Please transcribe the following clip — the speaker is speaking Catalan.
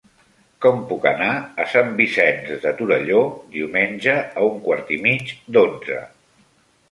Com puc anar a Sant Vicenç de Torelló diumenge a un quart i mig d'onze?